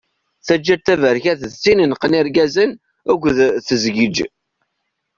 Taǧǧalt taberkant d tin ineqqen irgazen ukud tzeggej.